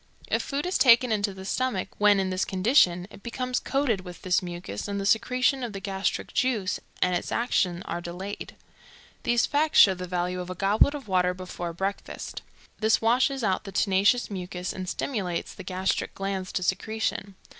If food is taken into the stomach when in this condition, it becomes coated with this mucus, and the secretion of the gastric juice and its action are delayed. These facts show the value of a goblet of water before breakfast. This washes out the tenacious mucus, and stimulates the gastric glands to secretion.